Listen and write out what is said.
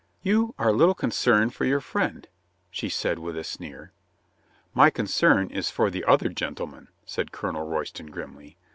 "You are little concerned for your friend," she said with a sneer. "My concern is for the other gentleman," said Colonel Royston grimly.